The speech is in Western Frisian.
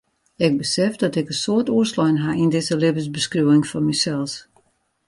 Ik besef dat ik in soad oerslein ha yn dizze libbensbeskriuwing fan mysels.